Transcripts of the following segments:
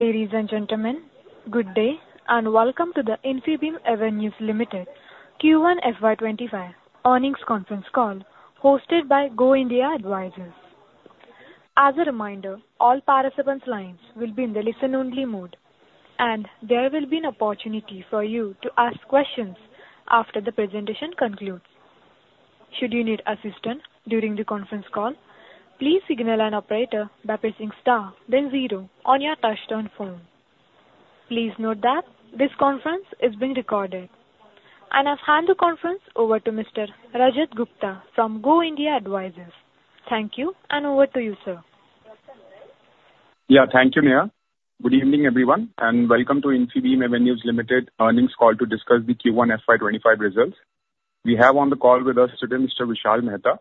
Ladies and gentlemen, good day, and welcome to the Infibeam Avenues Limited Q1 FY25 Earnings Conference Call, hosted by Go India Advisors. As a reminder, all participant lines will be in the listen-only mode, and there will be an opportunity for you to ask questions after the presentation concludes. Should you need assistance during the conference call, please signal an operator by pressing star then zero on your touchtone phone. Please note that this conference is being recorded. I'll hand the conference over to Mr. Rajat Gupta from Go India Advisors. Thank you, and over to you, sir. Yeah. Thank you, Mia. Good evening, everyone, and welcome to Infibeam Avenues Limited earnings call to discuss the Q1 FY25 results. We have on the call with us today Mr. Vishal Mehta,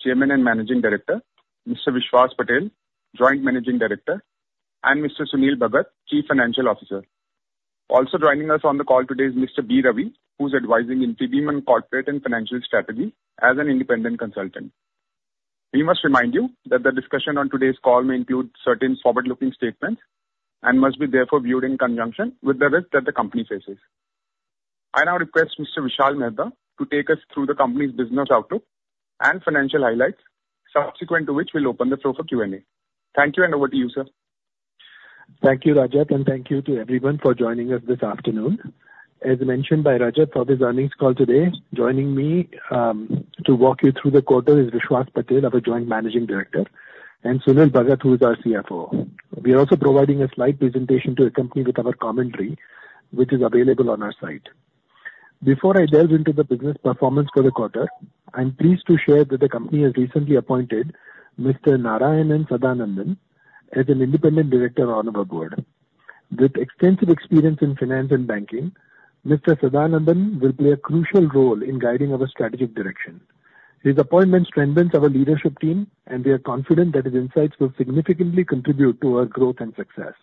Chairman and Managing Director, Mr. Vishwas Patel, Joint Managing Director, and Mr. Sunil Bhagat, Chief Financial Officer. Also joining us on the call today is Mr. B. Ravi, who's advising Infibeam on corporate and financial strategy as an independent consultant. We must remind you that the discussion on today's call may include certain forward-looking statements and must be therefore viewed in conjunction with the risk that the company faces. I now request Mr. Vishal Mehta to take us through the company's business outlook and financial highlights, subsequent to which we'll open the floor for Q&A. Thank you, and over to you, sir. Thank you, Rajat, and thank you to everyone for joining us this afternoon. As mentioned by Rajat, for this earnings call today, joining me, to walk you through the quarter is Vishwas Patel, our Joint Managing Director, and Sunil Bhagat, who is our CFO. We are also providing a slide presentation to accompany with our commentary, which is available on our site. Before I delve into the business performance for the quarter, I'm pleased to share that the company has recently appointed Mr. Narayanan Sadanandan as an independent director on our board. With extensive experience in finance and banking, Mr. Sadanandan will play a crucial role in guiding our strategic direction. His appointment strengthens our leadership team, and we are confident that his insights will significantly contribute to our growth and success.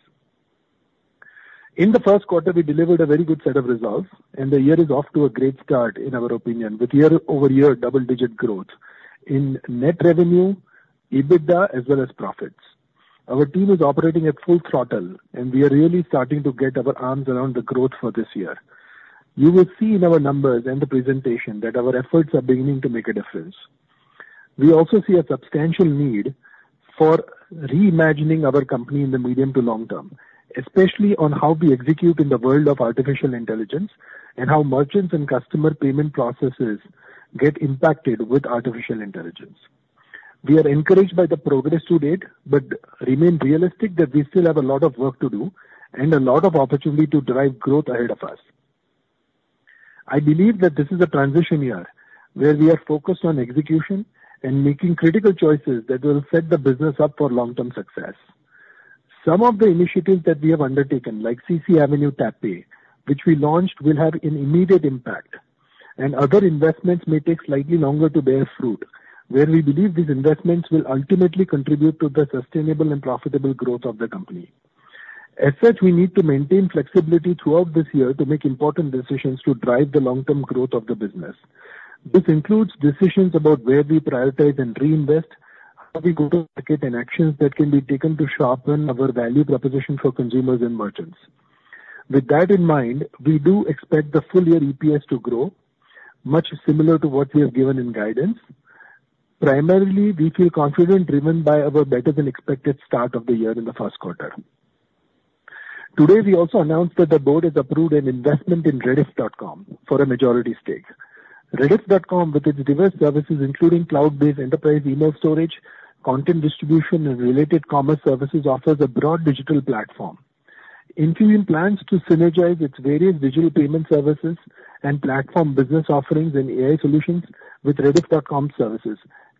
In the first quarter, we delivered a very good set of results, and the year is off to a great start, in our opinion, with year-over-year double-digit growth in net revenue, EBITDA, as well as profits. Our team is operating at full throttle, and we are really starting to get our arms around the growth for this year. You will see in our numbers and the presentation that our efforts are beginning to make a difference. We also see a substantial need for reimagining our company in the medium to long term, especially on how we execute in the world of artificial intelligence and how merchants and customer payment processes get impacted with artificial intelligence. We are encouraged by the progress to date, but remain realistic that we still have a lot of work to do and a lot of opportunity to drive growth ahead of us. I believe that this is a transition year, where we are focused on execution and making critical choices that will set the business up for long-term success. Some of the initiatives that we have undertaken, like CCAvenue TapPay, which we launched, will have an immediate impact, and other investments may take slightly longer to bear fruit, where we believe these investments will ultimately contribute to the sustainable and profitable growth of the company. As such, we need to maintain flexibility throughout this year to make important decisions to drive the long-term growth of the business. This includes decisions about where we prioritize and reinvest, how we go to market, and actions that can be taken to sharpen our value proposition for consumers and merchants. With that in mind, we do expect the full-year EPS to grow, much similar to what we have given in guidance. Primarily, we feel confident, driven by our better-than-expected start of the year in the first quarter. Today, we also announced that the board has approved an investment in Rediff.com for a majority stake. Rediff.com, with its diverse services, including cloud-based enterprise email storage, content distribution, and related commerce services, offers a broad digital platform. Infibeam plans to synergize its various digital payment services and platform business offerings and AI solutions with Rediff.com services,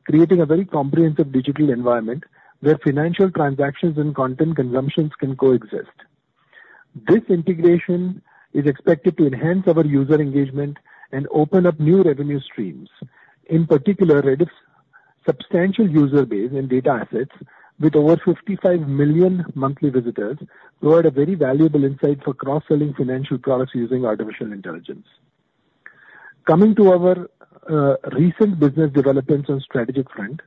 creating a very comprehensive digital environment where financial transactions and content consumptions can coexist. This integration is expected to enhance our user engagement and open up new revenue streams. In particular, Rediff.com's substantial user base and data assets with over 55 million monthly visitors, provide a very valuable insight for cross-selling financial products using artificial intelligence. Coming to our recent business developments on strategic front,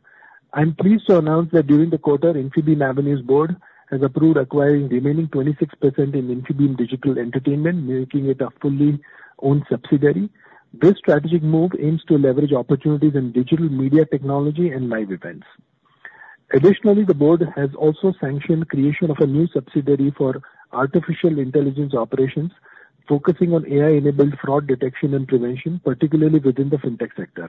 I'm pleased to announce that during the quarter, Infibeam Avenues board has approved acquiring remaining 26% in Infibeam Digital Entertainment, making it a fully owned subsidiary. This strategic move aims to leverage opportunities in digital media technology and live events. Additionally, the board has also sanctioned creation of a new subsidiary for artificial intelligence operations, focusing on AI-enabled fraud detection and prevention, particularly within the fintech sector.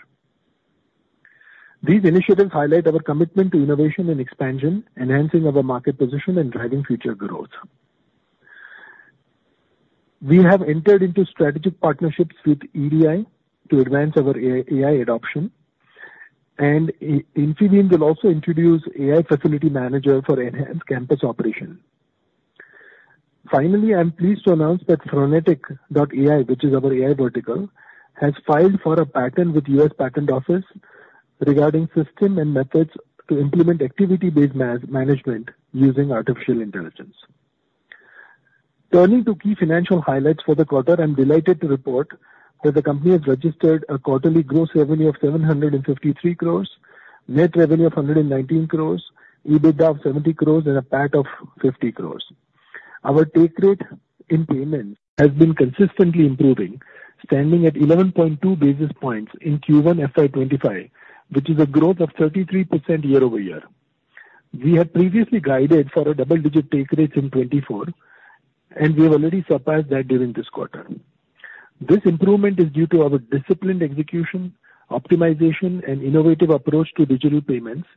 These initiatives highlight our commitment to innovation and expansion, enhancing our market position and driving future growth. We have entered into strategic partnerships with EDII to advance our AI adoption, and Infibeam will also introduce AI Facility Manager for enhanced campus operation. Finally, I'm pleased to announce that Phronetic.AI, which is our AI vertical, has filed for a patent with U.S. Patent Office regarding system and methods to implement activity-based man-management using artificial intelligence.... Turning to key financial highlights for the quarter, I'm delighted to report that the company has registered a quarterly gross revenue of 753 crores, net revenue of 119 crores, EBITDA of 70 crores, and a PAT of 50 crores. Our take rate in payments has been consistently improving, standing at 11.2 basis points in Q1 FY25, which is a growth of 33% year-over-year. We had previously guided for a double-digit take rates in 2024, and we have already surpassed that during this quarter. This improvement is due to our disciplined execution, optimization, and innovative approach to digital payments,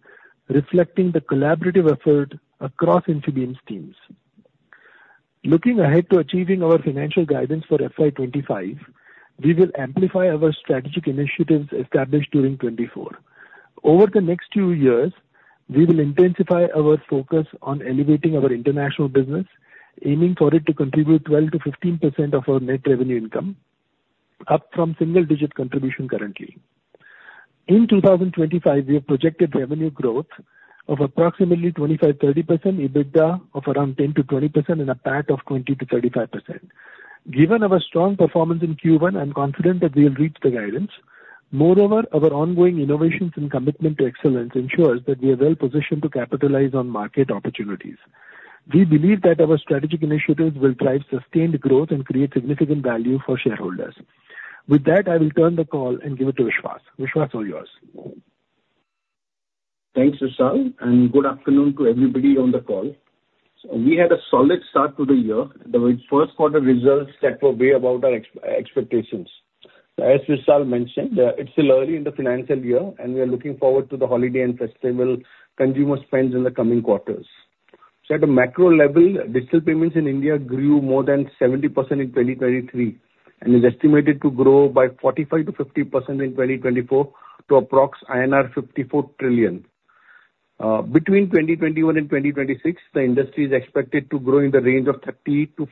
reflecting the collaborative effort across Infibeam's teams. Looking ahead to achieving our financial guidance for FY25, we will amplify our strategic initiatives established during 2024. Over the next two years, we will intensify our focus on elevating our international business, aiming for it to contribute 12%-15% of our net revenue income, up from single-digit contribution currently. In 2025, we have projected revenue growth of approximately 25%-30%, EBITDA of around 10%-20%, and a PAT of 20%-35%. Given our strong performance in Q1, I'm confident that we'll reach the guidance. Moreover, our ongoing innovations and commitment to excellence ensures that we are well positioned to capitalize on market opportunities. We believe that our strategic initiatives will drive sustained growth and create significant value for shareholders. With that, I will turn the call and give it to Vishwas. Vishwas, all yours. Thanks, Vishal, and good afternoon to everybody on the call. So we had a solid start to the year with first quarter results that were way above our expectations. As Vishal mentioned, it's still early in the financial year, and we are looking forward to the holiday and festival consumer spends in the coming quarters. So at a macro level, digital payments in India grew more than 70% in 2023 and is estimated to grow by 45%-50% in 2024 to approx INR 54 trillion. Between 2021 and 2026, the industry is expected to grow in the range of 30%-40%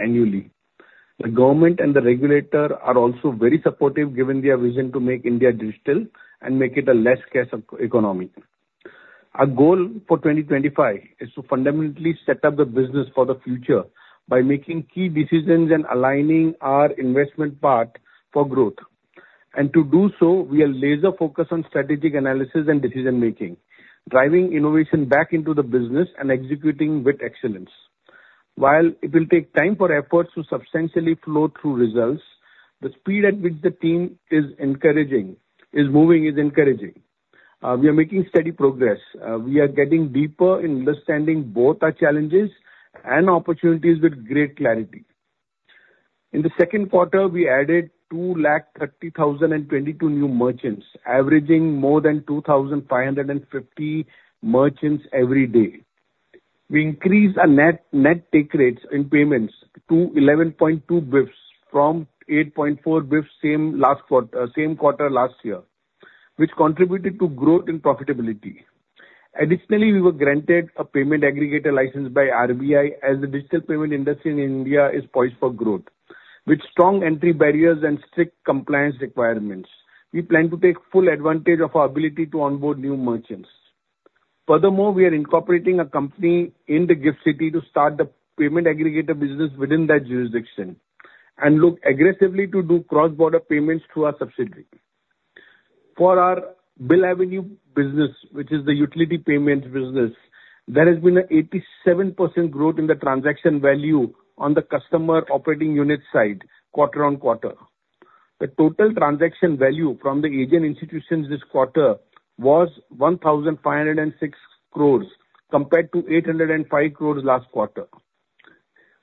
annually. The government and the regulator are also very supportive, given their vision to make India digital and make it a less cash economy. Our goal for 2025 is to fundamentally set up the business for the future by making key decisions and aligning our investment path for growth. And to do so, we are laser-focused on strategic analysis and decision-making, driving innovation back into the business and executing with excellence. While it will take time for efforts to substantially flow through results, the speed at which the team is encouraging, is moving is encouraging. We are making steady progress. We are getting deeper in understanding both our challenges and opportunities with great clarity. In the second quarter, we added 230,022 new merchants, averaging more than 2,550 merchants every day. We increased our net, net take rates in payments to 11.2 basis points from 8.4 basis points, same last quarter, same quarter last year, which contributed to growth and profitability. Additionally, we were granted a payment aggregator license by RBI, as the digital payment industry in India is poised for growth. With strong entry barriers and strict compliance requirements, we plan to take full advantage of our ability to onboard new merchants. Furthermore, we are incorporating a company in the GIFT City to start the payment aggregator business within that jurisdiction and look aggressively to do cross-border payments through our subsidiary. For our BillAvenue business, which is the utility payments business, there has been an 87% growth in the transaction value on the customer operating unit side, quarter-on-quarter. The total transaction value from the agent institutions this quarter was 1,506 crores, compared to 805 crores last quarter.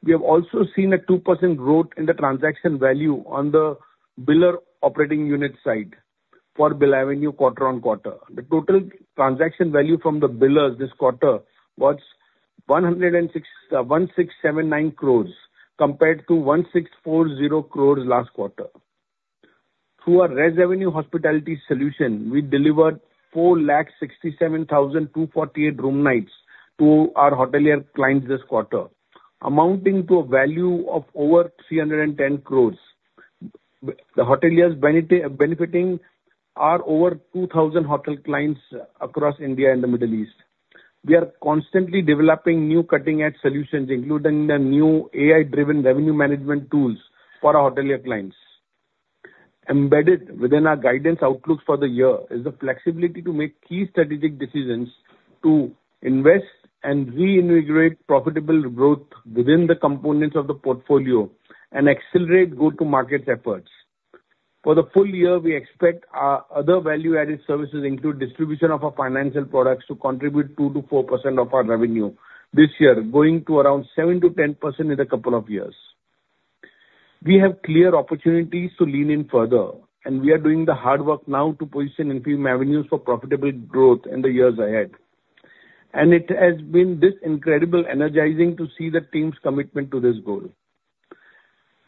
We have also seen a 2% growth in the transaction value on the biller operating unit side for BillAvenue, quarter-over-quarter. The total transaction value from the billers this quarter was 1,679 crores, compared to 1,640 crores last quarter. Through our ResAvenue Hospitality solution, we delivered 467,248 room nights to our hotelier clients this quarter, amounting to a value of over 310 crores. The hoteliers benefiting are over 2,000 hotel clients across India and the Middle East. We are constantly developing new cutting-edge solutions, including the new AI-driven revenue management tools for our hotelier clients. Embedded within our guidance outlook for the year is the flexibility to make key strategic decisions to invest and reinvigorate profitable growth within the components of the portfolio and accelerate go-to-market efforts. For the full year, we expect our other value-added services, including distribution of our financial products, to contribute 2%-4% of our revenue this year, going to around 7%-10% in a couple of years. We have clear opportunities to lean in further, and we are doing the hard work now to position Infibeam Avenues for profitable growth in the years ahead. It has been this incredible energizing to see the team's commitment to this goal.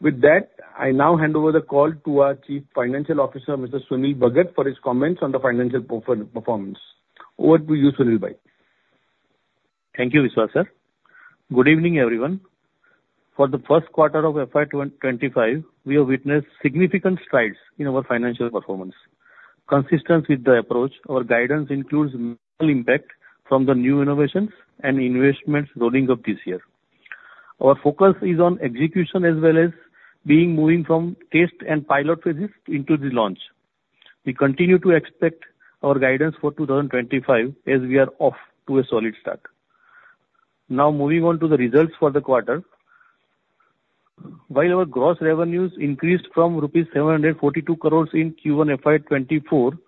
With that, I now hand over the call to our Chief Financial Officer, Mr. Sunil Bhagat, for his comments on the financial performance. Over to you, Sunil bhai. Thank you, Vishwas, sir. Good evening, everyone. For the first quarter of FY 2025, we have witnessed significant strides in our financial performance... consistent with the approach, our guidance includes minimal impact from the new innovations and investments rolling up this year. Our focus is on execution as well as being moving from test and pilot phases into the launch. We continue to expect our guidance for 2025, as we are off to a solid start. Now, moving on to the results for the quarter. While our gross revenues increased from INR 742 crores in Q1 24 to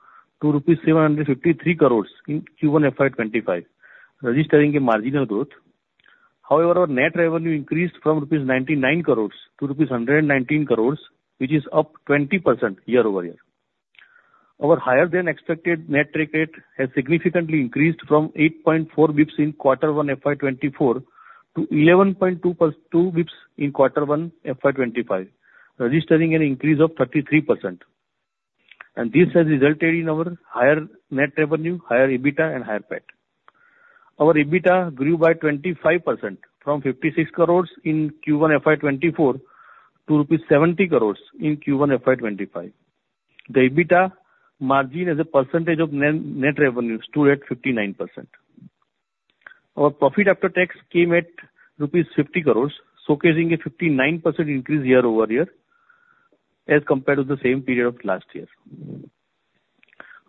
INR 753 crores in Q1 FY25, registering a marginal growth. However, our net revenue increased from 99 crores rupees to 119 crores, which is up 20% year-over-year. Our higher than expected net take rate has significantly increased from 8.4 bps in quarter one, FY24 to 11.2 + 2 bps in quarter one, FY25, registering an increase of 33%. This has resulted in our higher net revenue, higher EBITDA and higher PAT. Our EBITDA grew by 25% from 56 crores in Q1 FY 2024 to rupees 70 crores in Q1 FY 2025. The EBITDA margin as a percentage of net, net revenue, stood at 59%. Our profit after tax came at 50 crores rupees, showcasing a 59% increase year-over-year as compared to the same period of last year.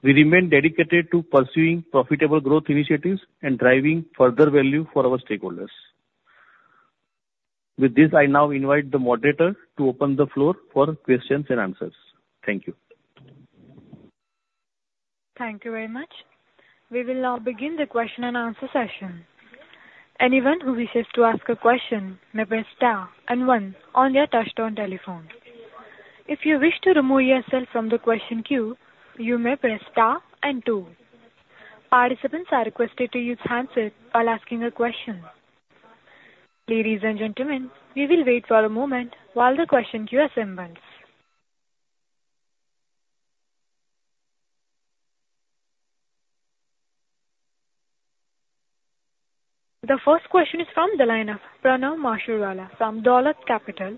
We remain dedicated to pursuing profitable growth initiatives and driving further value for our stakeholders. With this, I now invite the moderator to open the floor for questions and answers. Thank you. Thank you very much. We will now begin the question and answer session. Anyone who wishes to ask a question may press star and one on their touchtone telephone. If you wish to remove yourself from the question queue, you may press star and two. Participants are requested to use handset while asking a question. Ladies and gentlemen, we will wait for a moment while the question queue assembles. The first question is from the line of Pranav Mashruwala from Dolat Capital.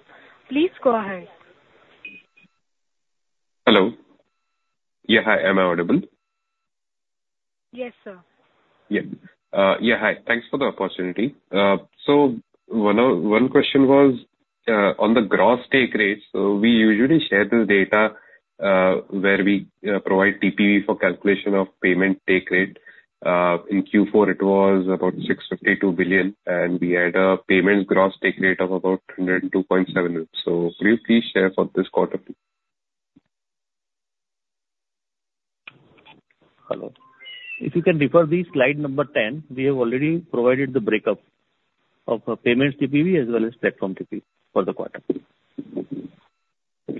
Please go ahead. Hello. Yeah. Hi, am I audible? Yes, sir. Yeah. Yeah, hi. Thanks for the opportunity. So one question was on the gross take rates. So we usually share this data, where we provide TPV for calculation of payment take rate. In Q4, it was about 6.2 billion, and we had a payments gross take rate of about 102.7. So please, please share for this quarter. Hello. If you can refer the slide number 10, we have already provided the breakup of payments TPV as well as platform TPV for the quarter.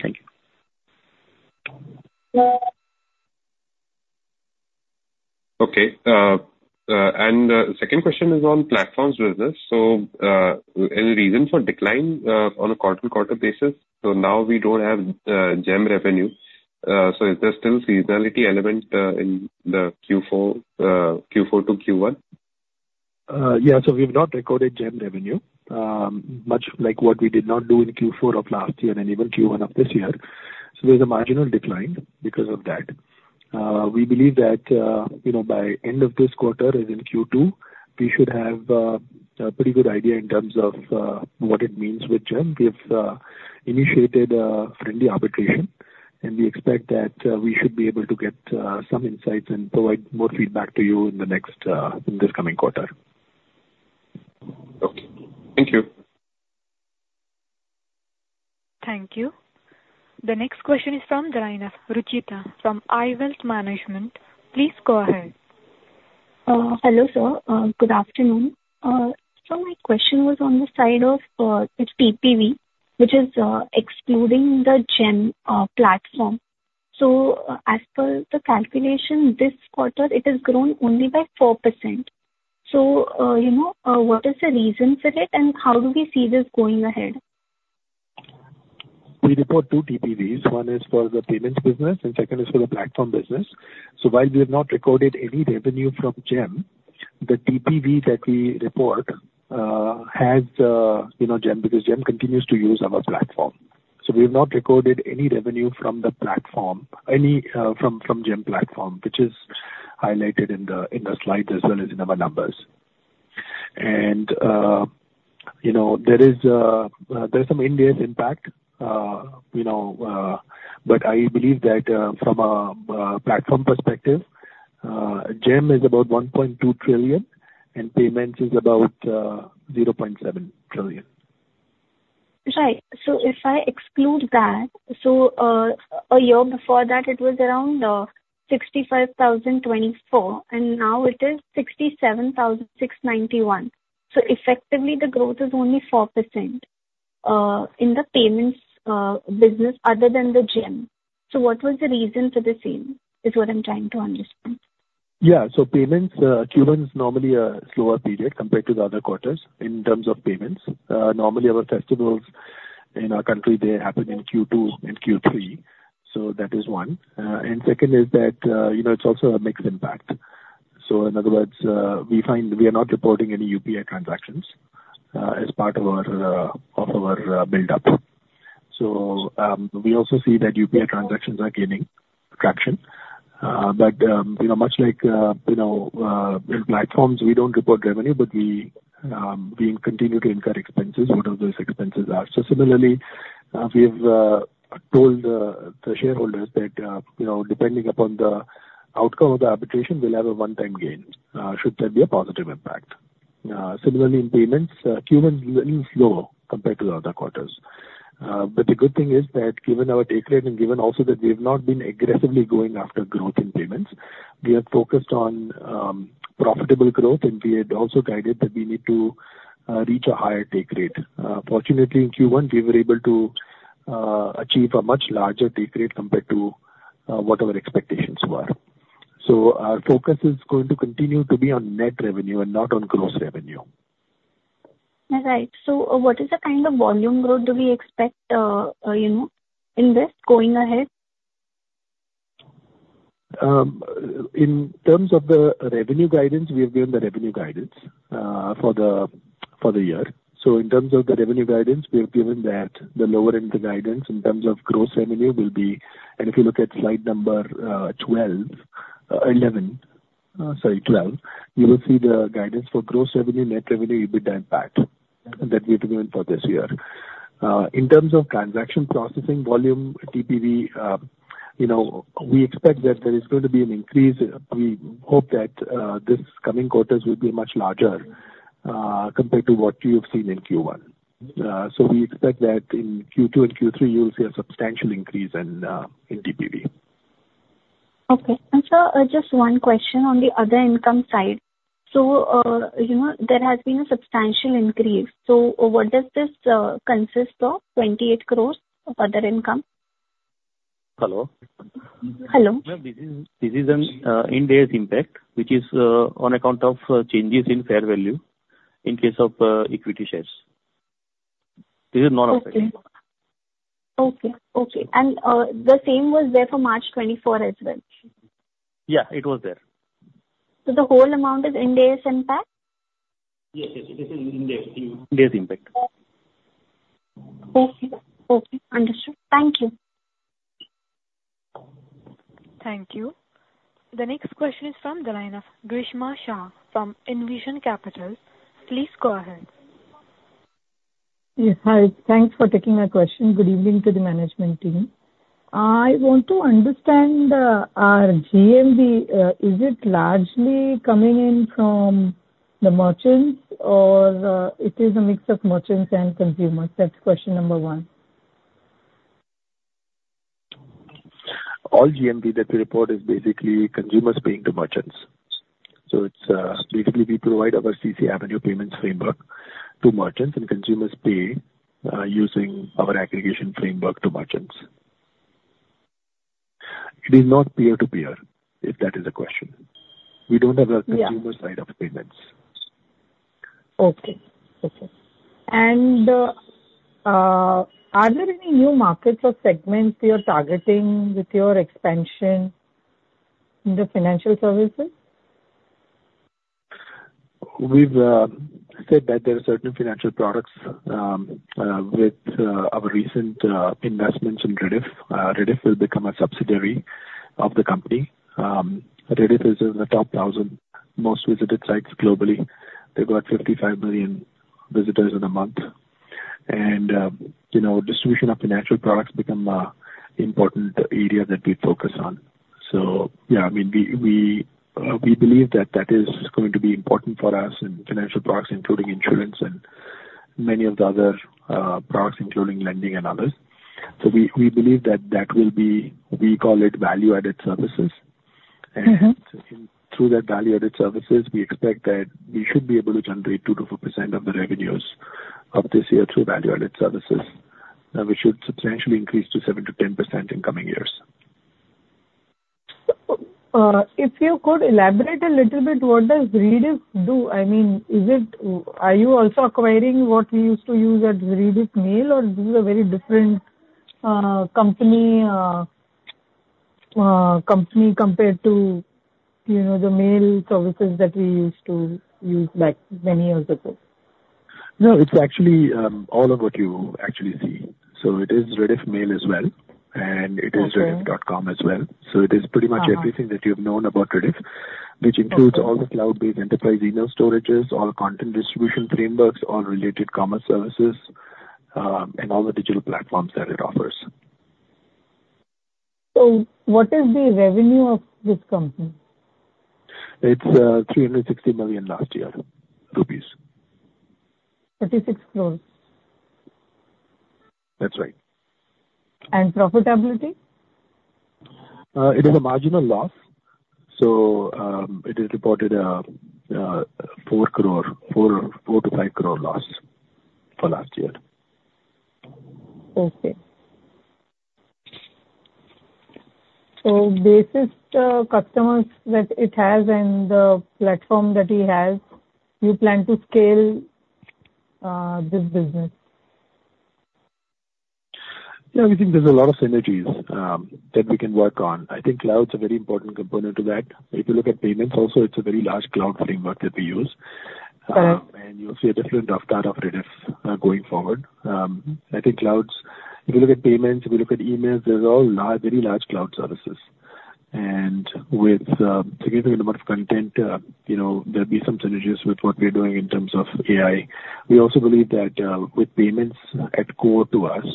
Thank you. Okay, and, second question is on platforms business. So, any reason for decline on a quarter-to-quarter basis? So now we don't have, GeM revenue, so is there still seasonality element in the Q4, Q4 to Q1? Yeah, so we've not recorded GeM revenue, much like what we did not do in Q4 of last year and even Q1 of this year. So there's a marginal decline because of that. We believe that, you know, by end of this quarter and in Q2, we should have a pretty good idea in terms of what it means with GeM. We have initiated a friendly arbitration, and we expect that we should be able to get some insights and provide more feedback to you in the next, in this coming quarter. Okay. Thank you. Thank you. The next question is from the line of Rucheeta from iWealth Management. Please go ahead. Hello, sir. Good afternoon. So my question was on the side of its TPV, which is excluding the GEM platform. So as per the calculation this quarter, it has grown only by 4%. So, you know, what is the reason for it, and how do we see this going ahead? We report two TPVs. One is for the payments business and second is for the platform business. So while we have not recorded any revenue from GeM, the TPV that we report has, you know, GeM, because GeM continues to use our platform. So we have not recorded any revenue from the platform, any from GeM platform, which is highlighted in the slide as well as in our numbers. And, you know, there is, there's some indirect impact, you know, but I believe that from a platform perspective, GeM is about 1.2 trillion and payments is about 0.7 trillion. Right. So if I exclude that, so, a year before that, it was around 65,024, and now it is 67,691. So effectively, the growth is only 4% in the payments business other than the GeM. So what was the reason for the same, is what I'm trying to understand? Yeah. So payments, Q1 is normally a slower period compared to the other quarters in terms of payments. Normally, our festivals in our country, they happen in Q2 and Q3, so that is one. And second is that, you know, it's also a mixed impact. So in other words, we find we are not reporting any UPI transactions as part of our BillAvenue. So, we also see that UPI transactions are gaining traction, but, you know, much like, you know, in platforms, we don't report revenue, but we, we continue to incur expenses, whatever those expenses are. So similarly, we have told the shareholders that, you know, depending upon the outcome of the arbitration, we'll have a one-time gain, should there be a positive impact. Similarly, in payments, Q1 is even lower compared to the other quarters. But the good thing is that given our take rate and given also that we've not been aggressively going after growth in payments, we are focused on profitable growth, and we had also guided that we need to reach a higher take rate. Fortunately, in Q1, we were able to achieve a much larger take rate compared to what our expectations were. So our focus is going to continue to be on net revenue and not on gross revenue. Right. So what is the kind of volume growth do we expect, you know, in this going ahead? In terms of the revenue guidance, we have given the revenue guidance for the year. So in terms of the revenue guidance, we have given that the lower end of the guidance in terms of gross revenue will be... And if you look at slide number 12, 11, sorry, 12, you will see the guidance for gross revenue, net revenue, EBITDA impact that we have given for this year. In terms of transaction processing volume, TPV, you know, we expect that there is going to be an increase. We hope that this coming quarters will be much larger compared to what you have seen in Q1. So we expect that in Q2 and Q3, you will see a substantial increase in TPV. Okay. And, sir, just one question on the other income side. So, you know, there has been a substantial increase. So what does this consist of, 28 crore of other income? Hello? Hello. Ma'am, this is, this is an impact, which is on account of changes in fair value in case of equity shares. This is not- Okay. Okay, okay. The same was there for March 2024 as well? Yeah, it was there. The whole amount is Ind AS impact? Yes, yes, yes, this is Ind AS impact. Okay. Okay, understood. Thank you. Thank you. The next question is from the line of Grishma Shah from Envision Capital. Please go ahead. Yes, hi. Thanks for taking my question. Good evening to the management team. I want to understand, our GMV, is it largely coming in from the merchants or, it is a mix of merchants and consumers? That's question number one. All GMV that we report is basically consumers paying to merchants. So it's basically we provide our CCAvenue payments framework to merchants, and consumers pay using our aggregation framework to merchants. It is not peer-to-peer, if that is a question. We don't have a- Yeah. consumer side of the payments. Okay. Okay. And, are there any new markets or segments you're targeting with your expansion in the financial services? We've said that there are certain financial products with our recent investments in Rediff. Rediff has become a subsidiary of the company. Rediff is in the top 1,000 most visited sites globally. They've got 55 million visitors in a month. And, you know, distribution of financial products become a important area that we focus on. So yeah, I mean, we believe that that is going to be important for us in financial products, including insurance and many of the other products, including lending and others. So we believe that that will be, we call it value-added services. Mm-hmm. Through that value-added services, we expect that we should be able to generate 2%-4% of the revenues of this year through value-added services, which should substantially increase to 7%-10% in coming years. If you could elaborate a little bit, what does Rediff do? I mean, is it... Are you also acquiring what we used to use at Rediff Mail, or this is a very different company compared to, you know, the mail services that we used to use, like, many years ago? No, it's actually all of what you actually see. So it is Rediff Mail as well, and it is- Okay. Rediff.com as well. So it is pretty much- Uh-huh Everything that you've known about Rediff, which includes- Okay all the cloud-based enterprise email storages, all content distribution frameworks, all related commerce services, and all the digital platforms that it offers. What is the revenue of this company? It's 360 million last year. 36 crores? That's right. And profitability? It is a marginal loss, so it is reported 4 crores-5 crores loss for last year. Okay. So based on the customers that it has and the platform that it has, you plan to scale this business? ... Yeah, we think there's a lot of synergies that we can work on. I think cloud's a very important component to that. If you look at payments also, it's a very large cloud framework that we use. And you'll see a different of that of Rediff going forward. I think clouds, if you look at payments, if you look at emails, they're all very large cloud services. And with significant amount of content, you know, there'll be some synergies with what we are doing in terms of AI. We also believe that, with payments at core to us,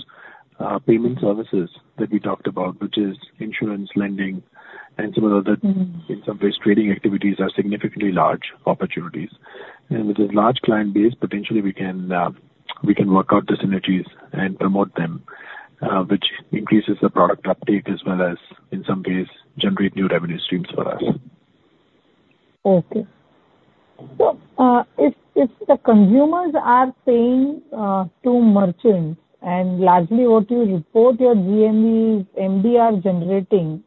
payment services that we talked about, which is insurance, lending, and some of the other- Mm. In some ways, trading activities are significantly large opportunities. With a large client base, potentially we can, we can work out the synergies and promote them, which increases the product uptake as well as, in some case, generate new revenue streams for us. Okay. So, if the consumers are paying to merchants, and largely what you report your GMV, MDR generating,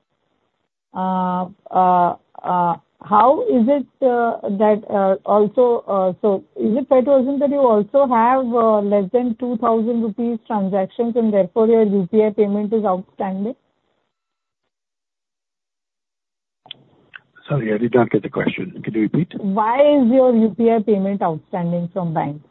how is it that also. So is it fair to assume that you also have less than 2,000 rupees transactions, and therefore, your UPI payment is outstanding? Sorry, I did not get the question. Could you repeat? Why is your UPI payment outstanding from banks?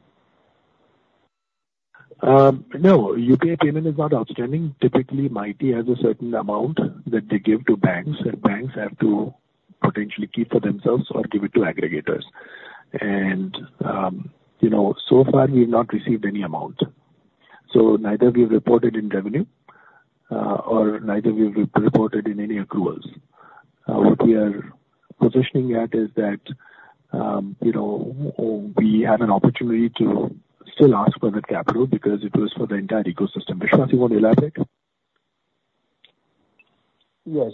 No, UPI payment is not outstanding. Typically, MeitY has a certain amount that they give to banks, and banks have to potentially keep for themselves or give it to aggregators. You know, so far, we've not received any amount. So neither we've reported in revenue, or neither we've re-reported in any accruals. What we are positioning at is that, you know, we had an opportunity to still ask for that capital because it was for the entire ecosystem. Vishwas, you want to elaborate? Yes.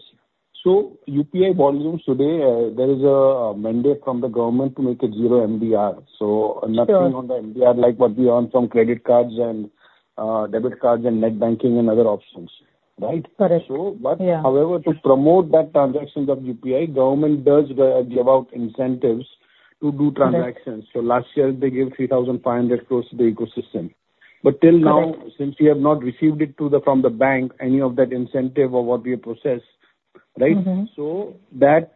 So UPI volumes today, there is a mandate from the government to make it zero MDR. Sure. Nothing on the MDR like what we earn from credit cards and debit cards and net banking and other options, right? Correct. So, but- Yeah. However, to promote that transactions of UPI, government does give out incentives to do transactions. Correct. So last year, they gave 3,500 crore to the ecosystem. Correct. Till now, since we have not received it from the bank, any of that incentive or what we have processed, right? Mm-hmm. So that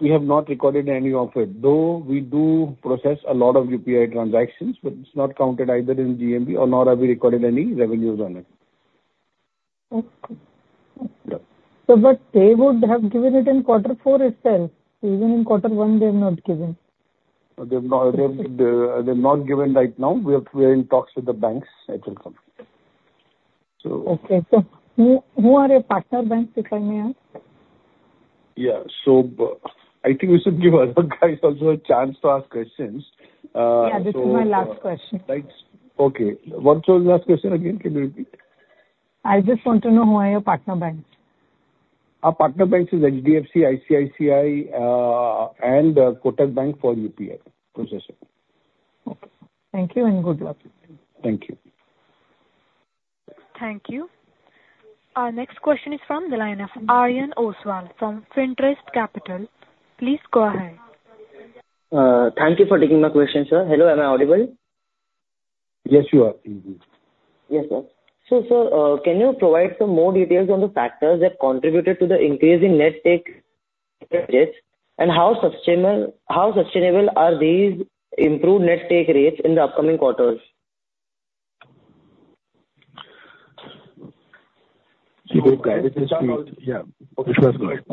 we have not recorded any of it, though we do process a lot of UPI transactions, but it's not counted either in GMV or nor have we recorded any revenues on it. Okay. Yeah. So but they would have given it in quarter four itself. Even in quarter one, they have not given? They've not given right now. We're in talks with the banks. It will come. So- Okay. Who, who are your partner banks, if I may ask? Yeah. So I think we should give other guys also a chance to ask questions, so- Yeah, this is my last question. Thanks. Okay. What was your last question again? Can you repeat? I just want to know who are your partner banks? Our partner banks is HDFC, ICICI, and Kotak Bank for UPI processing. Okay. Thank you, and good luck. Thank you. Thank you. Our next question is from the line of Aryan Oswal, from Fintrust Capital. Please go ahead. Thank you for taking my question, sir. Hello, am I audible? Yes, you are. Mm-hmm. Yes, sir. So, sir, can you provide some more details on the factors that contributed to the increase in net take rates, and how sustainable are these improved net take rates in the upcoming quarters? So guidance is... Yeah. Vishwas, go ahead.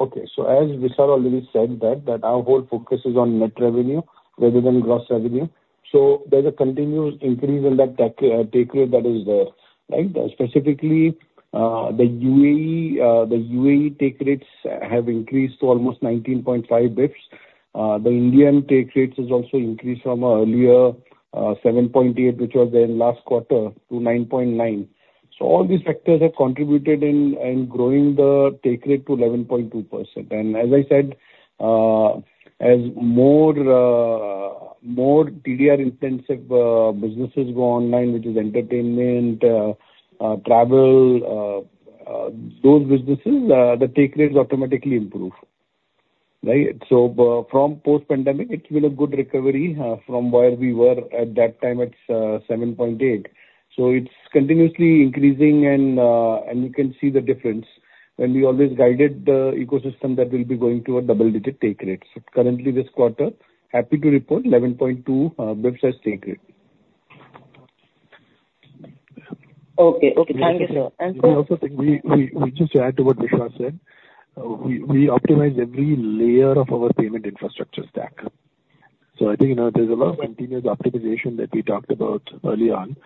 Okay. So as Vishal already said that, that our whole focus is on net revenue rather than gross revenue. So there's a continuous increase in that take, take rate that is there, right? Specifically, the UAE, the UAE take rates have increased to almost 19.5 bps. The Indian take rates has also increased from earlier, 7.8, which was there last quarter, to 9.9. So all these factors have contributed in, in growing the take rate to 11.2%. And as I said, as more, more TDR-intensive, businesses go online, which is entertainment, travel, those businesses, the take rates automatically improve. Right? So, from post-pandemic, it's been a good recovery, from where we were at that time at 7.8. So it's continuously increasing and, and you can see the difference. And we always guided the ecosystem that we'll be going to a double-digit take rate. So currently this quarter, happy to report 11.2 bps as take rate. Okay. Okay, thank you, sir. And so- Let me also add to what Vishwas said. We optimize every layer of our payment infrastructure stack. So I think, you know, there's a lot of continuous optimization that we talked about early on.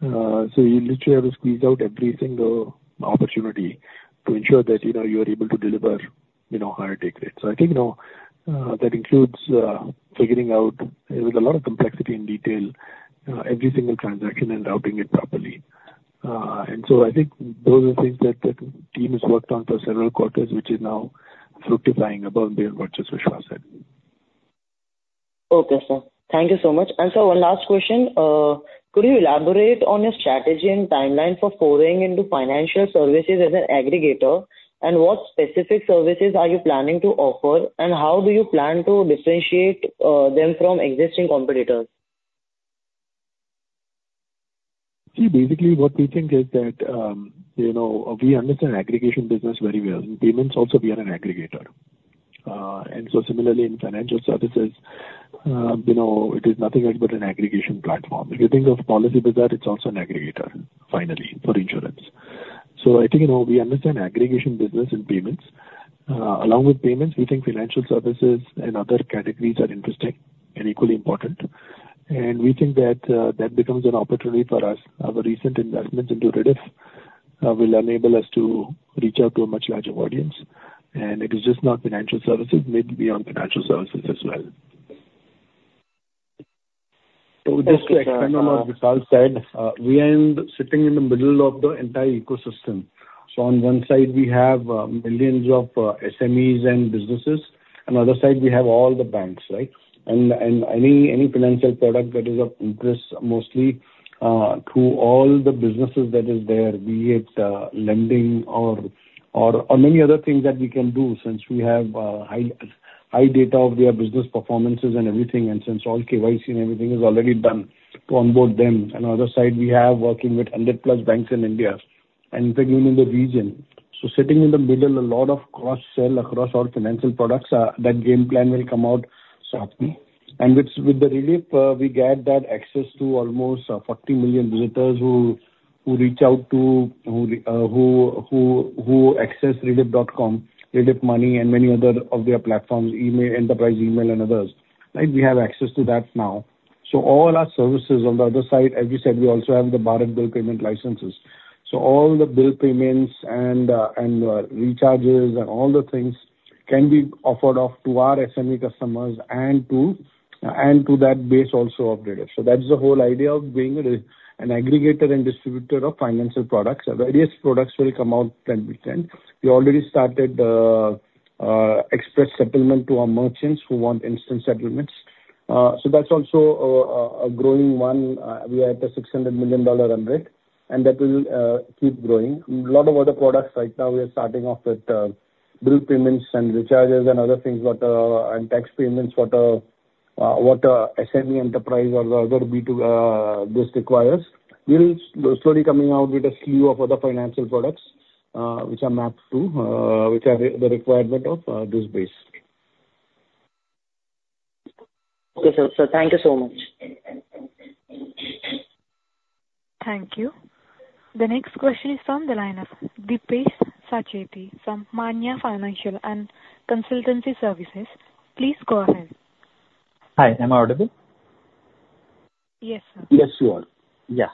So you literally have to squeeze out every single opportunity to ensure that, you know, you are able to deliver, you know, higher take rates. So I think, you know, that includes figuring out, there's a lot of complexity and detail every single transaction and routing it properly. And so I think those are things that the team has worked on for several quarters, which is now fructifying above there, what just Vishwas said. Okay, sir. Thank you so much. And sir, one last question. Could you elaborate on your strategy and timeline for foraying into financial services as an aggregator? And what specific services are you planning to offer, and how do you plan to differentiate them from existing competitors? ...See, basically what we think is that, you know, we understand aggregation business very well. In payments also, we are an aggregator. And so similarly, in financial services, you know, it is nothing else but an aggregation platform. If you think of Policybazaar, it's also an aggregator finally, for insurance. So I think, you know, we understand aggregation business and payments. Along with payments, we think financial services and other categories are interesting and equally important, and we think that, that becomes an opportunity for us. Our recent investments into Rediff will enable us to reach out to a much larger audience, and it is just not financial services, maybe beyond financial services as well. So just to expand on what Vishal said, we're sitting in the middle of the entire ecosystem. So on one side we have millions of SMEs and businesses, and the other side we have all the banks, right? And any financial product that is of interest, mostly to all the businesses that is there, be it lending or many other things that we can do since we have high data of their business performances and everything, and since all KYC and everything is already done to onboard them. And on the other side, we are working with 100+ banks in India and even in the region. So sitting in the middle, a lot of cross-sell across all financial products, that game plan will come out shortly. With the Rediff, we get that access to almost 40 million visitors who access Rediff.com, Rediff Money and many other of their platforms, email, enterprise email and others. Right? We have access to that now. So all our services on the other side, as we said, we also have the Bharat BillPayment licenses. So all the bill payments and recharges, and all the things can be offered to our SME customers and to that base also of Rediff. So that's the whole idea of being an aggregator and distributor of financial products. Various products will come out from time to time. We already started express settlement to our merchants who want instant settlements. So that's also a growing one. We are at a $600 million run rate, and that will keep growing. A lot of other products right now, we are starting off with bill payments and recharges and other things, but and tax payments, what, what a SME enterprise or whatever be to this requires. We will slowly coming out with a slew of other financial products, which are mapped to which are the requirement of this base. Okay, sir. Sir, thank you so much. Thank you. The next question is from the line of Deepesh Sancheti from Maanya Financial & Consultancy Services. Please go ahead. Hi, am I audible? Yes, sir. Yes, you are. Yeah.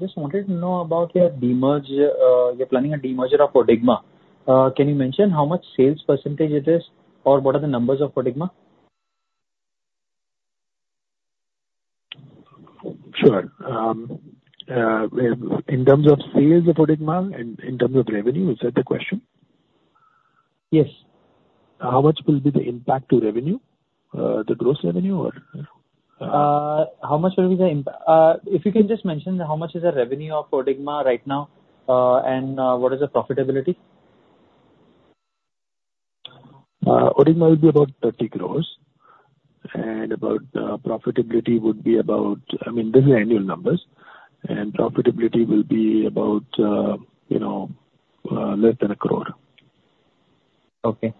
Just wanted to know about your demerge. You're planning a demerger of ODigMa. Can you mention how much sales percentage it is, or what are the numbers of ODigMa? Sure. In terms of sales of ODigMa and in terms of revenue, is that the question? Yes. How much will be the impact to revenue, the gross revenue or? If you can just mention how much is the revenue of ODigMa right now, and what is the profitability? ODigMa will be about 30 crores, and about, profitability would be about... I mean, this is annual numbers, and profitability will be about, you know, less than 1 crore. Okay.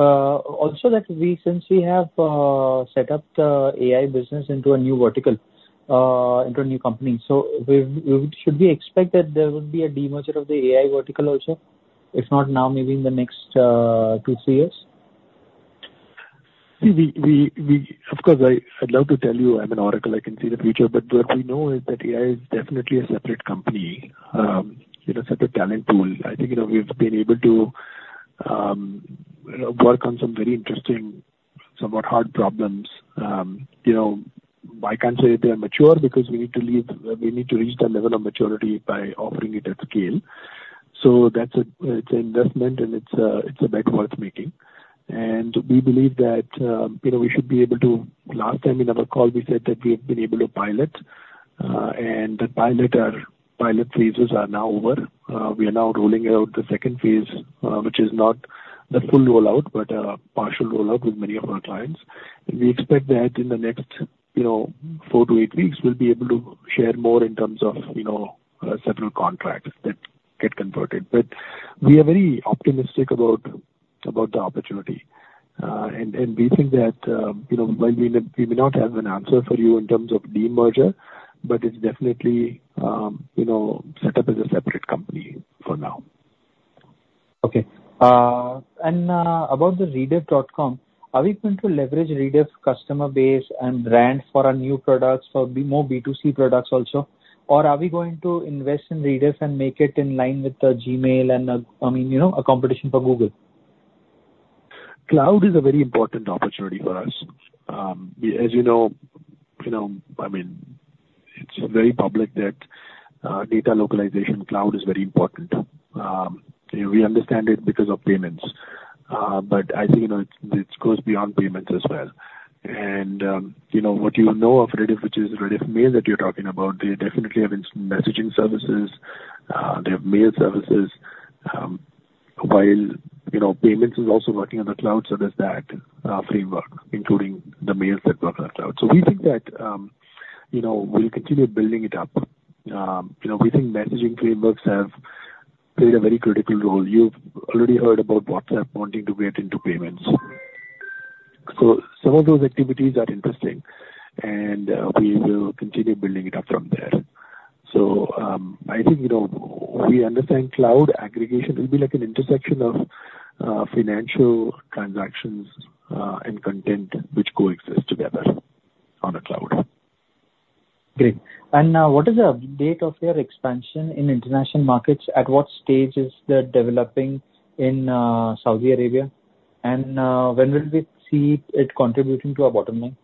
Also that recently we have set up the AI business into a new vertical, into a new company. So, should we expect that there will be a demerger of the AI vertical also? If not now, maybe in the next 2-3 years? Of course, I'd love to tell you I'm an oracle, I can see the future. But what we know is that AI is definitely a separate company, it is a talent pool. I think, you know, we've been able to work on some very interesting, somewhat hard problems. You know, I can't say that they are mature, because we need to reach the level of maturity by offering it at scale. So that's an investment, and it's a bet worth making. And we believe that, you know, we should be able to... Last time in our call, we said that we have been able to pilot, and the pilot, our pilot phases are now over. We are now rolling out the second phase, which is not the full roll-out, but partial roll-out with many of our clients. We expect that in the next, you know, 4-8 weeks, we'll be able to share more in terms of, you know, several contracts that get converted. But we are very optimistic about, about the opportunity, and, and we think that, you know, while we may, we may not have an answer for you in terms of demerger, but it's definitely, you know, set up as a separate company for now. Okay. About the Rediff.com, are we going to leverage Rediff's customer base and brand for our new products, for more B2C products also? Or are we going to invest in Rediff and make it in line with the Gmail and, I mean, you know, a competition for Google? Cloud is a very important opportunity for us. As you know, you know, I mean, it's very public that data localization cloud is very important. We understand it because of payments, but I think, you know, it goes beyond payments as well. You know, what you know of Rediff, which is Rediff Mail, that you're talking about, we definitely have instant messaging services. They have mail services, while, you know, payments is also working on the cloud. So there's that framework, including the mail set work on the cloud. So we think that, you know, we'll continue building it up. You know, we think messaging frameworks have played a very critical role. You've already heard about WhatsApp wanting to get into payments. Some of those activities are interesting, and we will continue building it up from there. I think, you know, we understand cloud aggregation will be like an intersection of financial transactions and content which coexist together on the cloud. Great. And, what is the update of your expansion in international markets? At what stage is that developing in, Saudi Arabia? And, when will we see it contributing to our bottom line?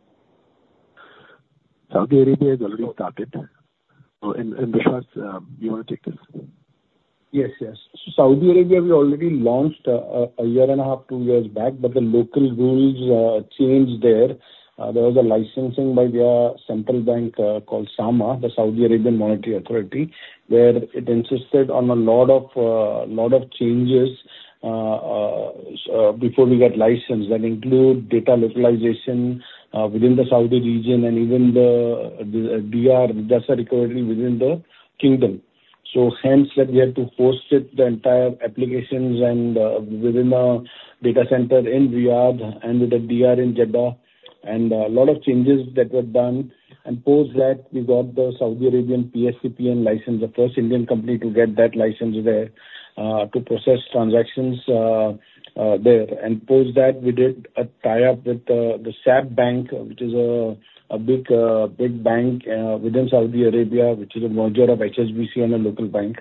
Saudi Arabia has already started. And Vishwas, you want to take this? Yes, yes. So Saudi Arabia, we already launched year and a half, two years back, but the local rules changed there. There was a licensing by their central bank called SAMA, the Saudi Arabian Monetary Authority, where it insisted on a lot of changes before we got licensed, that include data localization within the Saudi region and even the DR, Disaster Recovery within the kingdom. So hence, that we had to host it, the entire applications and within the data center in Riyadh and with the DR in Jeddah, and a lot of changes that were done. And post that, we got the Saudi Arabian PTSP license, the first Indian company to get that license there to process transactions there. Post that, we did a tie-up with the SAB Bank, which is a big bank within Saudi Arabia, which is a merger of HSBC and a local bank.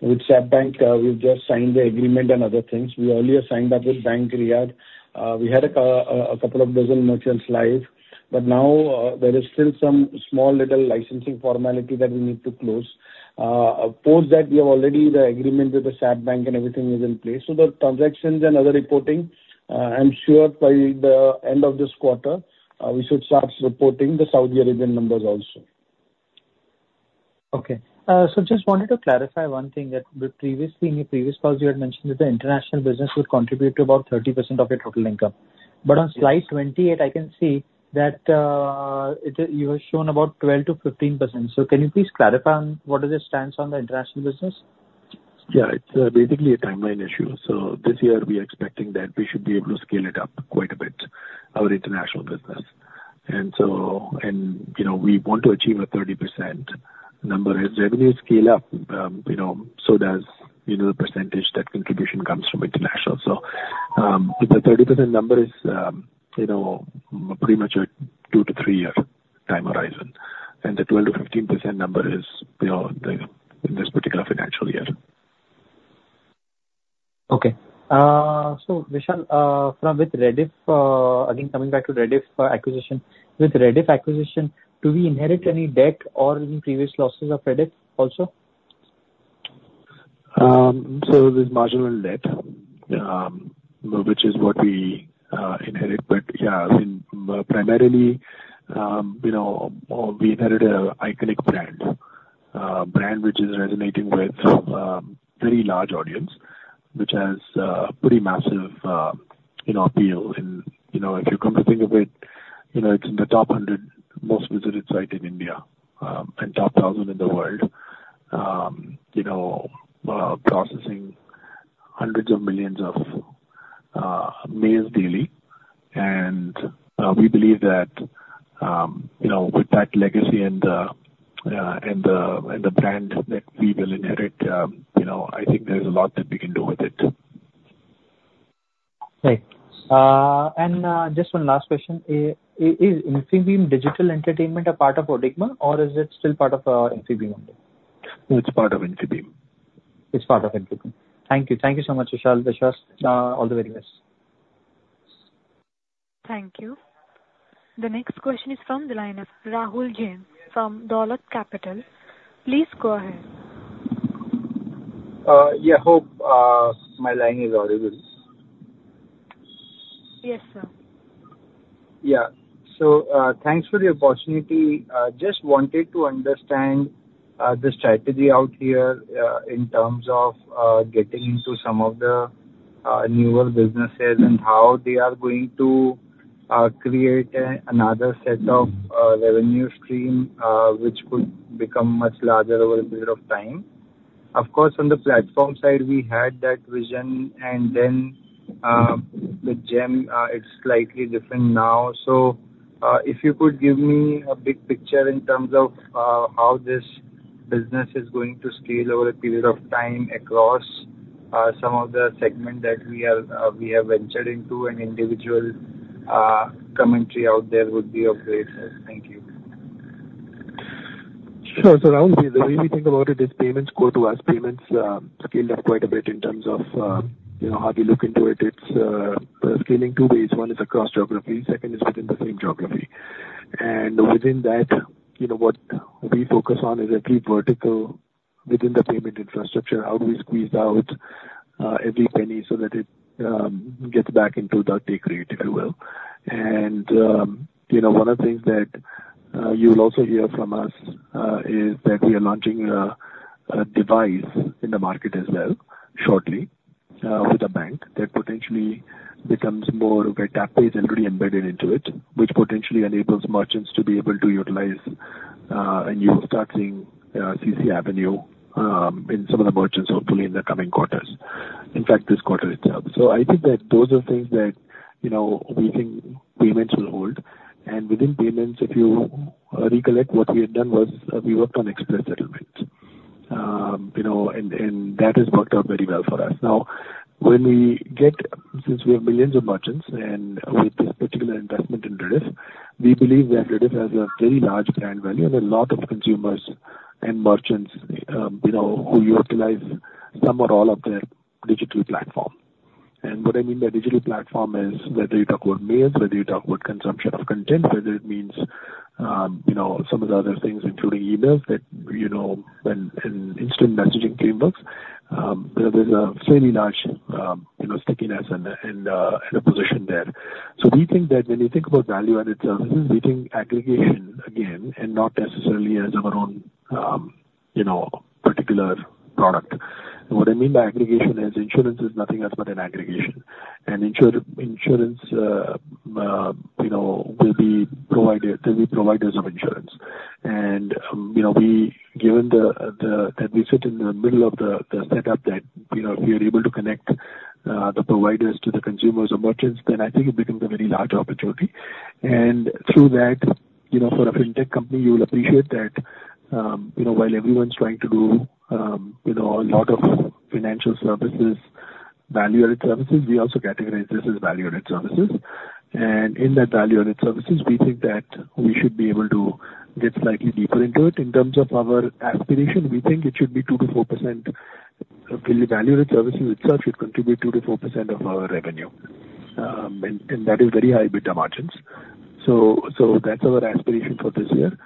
With SAB Bank, we've just signed the agreement and other things. We earlier signed up with Bank Riyad. We had a couple of dozen merchants live, but now there is still some small little licensing formality that we need to close. Post that, we have already the agreement with the SAB Bank and everything is in place. So the transactions and other reporting, I'm sure by the end of this quarter, we should start reporting the Saudi Arabian numbers also. Okay. So just wanted to clarify one thing, that the previously, in the previous calls, you had mentioned that the international business would contribute to about 30% of your total income. But on slide 28, I can see that, it, you have shown about 12%-15%. So can you please clarify on what is the stance on the international business? Yeah, it's basically a timeline issue. So this year we are expecting that we should be able to scale it up quite a bit, our international business. And so, you know, we want to achieve a 30% number. As revenues scale up, you know, so does, you know, the percentage that contribution comes from international. So, the 30% number is, you know, pretty much a 2- to 3-year time horizon, and the 12%-15% number is, you know, the, in this particular financial year. Okay. So Vishal, from with Rediff, again, coming back to Rediff acquisition. With Rediff acquisition, do we inherit any debt or any previous losses of Rediff also? So there's marginal debt, which is what we inherit. But yeah, I mean, primarily, we inherit a iconic brand, brand which is resonating with, very large audience, which has, pretty massive, you know, appeal. And, you know, if you come to think of it, you know, it's in the top 100 most visited site in India, and top 1,000 in the world, you know, processing hundreds of millions of, mails daily. And, we believe that, you know, with that legacy and the, and the, and the brand that we will inherit, you know, I think there is a lot that we can do with it. Great. Just one last question. Is Infibeam Digital Entertainment a part of ODigMa, or is it still part of Infibeam only? It's part of Infibeam. It's part of Infibeam. Thank you. Thank you so much, Vishal, Vishwas. All the very best. Thank you. The next question is from the line of Rahul Jain from Dolat Capital. Please go ahead. Yeah. Hope my line is audible. Yes, sir. Yeah. So, thanks for the opportunity. Just wanted to understand the strategy out here in terms of getting into some of the newer businesses, and how they are going to create another set of revenue stream which could become much larger over a period of time. Of course, on the platform side, we had that vision, and then, with GeM, it's slightly different now. So, if you could give me a big picture in terms of how this business is going to scale over a period of time across some of the segment that we have ventured into, and individual commentary out there would be of great help. Thank you. Sure. So Rahul, the way we think about it is payments core to us. Payments scaled up quite a bit in terms of, you know, how we look into it. It's scaling two ways. One is across geography, second is within the same geography. And within that, you know, what we focus on is every vertical within the payment infrastructure, how do we squeeze out every penny so that it gets back into the take rate, if you will. And, you know, one of the things that...... You will also hear from us is that we are launching a device in the market as well shortly with a bank that potentially becomes more of a TapPay and really embedded into it, which potentially enables merchants to be able to utilize, and you will start seeing CCAvenue in some of the merchants hopefully in the coming quarters. In fact, this quarter itself. So I think that those are things that, you know, we think payments will hold. And within payments, if you recollect, what we had done was we worked on express settlement. You know, and that has worked out very well for us. Now, when we get, since we have millions of merchants and with this particular investment in Rediff, we believe that Rediff has a very large brand value and a lot of consumers and merchants, you know, who utilize some or all of their digital platform. And what I mean by digital platform is whether you talk about mails, whether you talk about consumption of content, whether it means, you know, some of the other things, including emails, that, you know, and, and instant messaging frameworks, there's a fairly large, you know, stickiness and, and, a position there. So we think that when you think about value-added services, we think aggregation again, and not necessarily as our own, you know, particular product. What I mean by aggregation is insurance is nothing else but an aggregation. Insurance will be provided, there'll be providers of insurance. Given that we sit in the middle of the setup that you know we are able to connect the providers to the consumers or merchants, then I think it becomes a very large opportunity. Through that, you know, for a fintech company, you will appreciate that, you know, while everyone's trying to do, you know, a lot of financial services, value-added services, we also categorize this as value-added services. In that value-added services, we think that we should be able to get slightly deeper into it. In terms of our aspiration, we think it should be 2%-4%. The value-added services itself should contribute 2%-4% of our revenue. That is very high EBITDA margins. So that's our aspiration for this year.